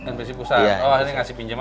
npc pusat oh akhirnya ngasih pinjaman